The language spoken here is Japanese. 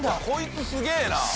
こいつすげえな！